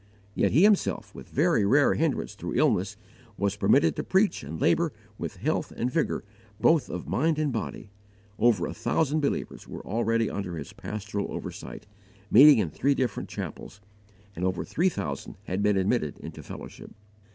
Yet he himself, with very rare hindrance through illness, was permitted to preach and labour with health and vigour both of mind and body; over a thousand believers were already under his pastoral oversight, meeting in three different chapels, and over three thousand had been admitted into fellowship.